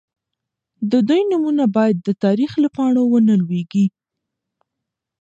د دوی نومونه باید د تاریخ له پاڼو ونه لوېږي.